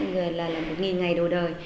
cái giai đoạn vàng của trẻ là một ngày đầu đời